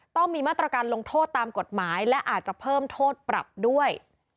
ต้องมีมาตรการลงโทษตามกฎหมายและอาจจะเพิ่มโทษปรับด้วย